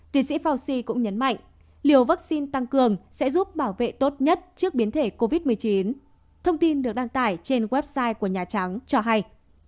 tiến sĩ faushi cũng nhấn mạnh liều vaccine tăng cường sẽ giúp bảo vệ tốt nhất trước biến thể covid một mươi chín thông tin được đăng tải trên website của nhà trắng cho hay